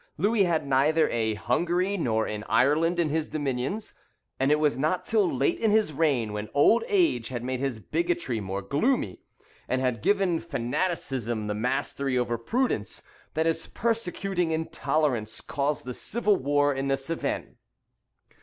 Louis had neither a Hungary nor an Ireland in his dominions, and it was not till late in his reign, when old age had made his bigotry more gloomy, and had given fanaticism the mastery over prudence, that his persecuting intolerance caused the civil war in the Cevennes.